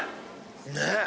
ねっ。